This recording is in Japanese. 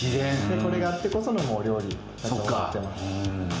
これがあってこその料理だと思っています。